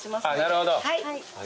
なるほど。